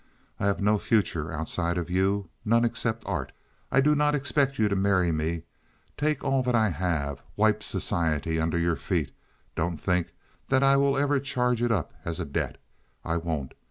I have no future outside of you, none except art. I do not expect you to marry me. Take all that I have. Wipe society under your feet. Don't think that I will ever charge it up as a debt. I won't.